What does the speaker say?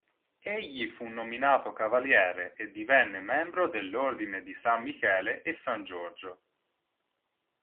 Egli fu nominato cavaliere e divenne membro dell'Ordine di San Michele e San Giorgio.